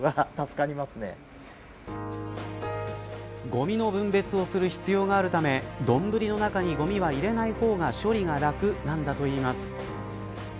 ごみの分別をする必要があるためどんぶりの中に、ごみは入れない方が処理が楽なんだといいます。